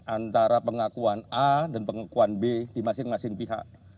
antara pengakuan a dan pengakuan b di masing masing pihak